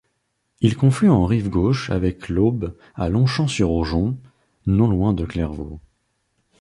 Il conflue en rive gauche avec l'Aube à Longchamp-sur-Aujon, non loin de Clairvaux.